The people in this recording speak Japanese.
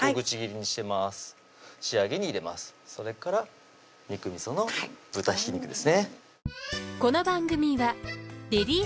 それから肉味の豚ひき肉ですね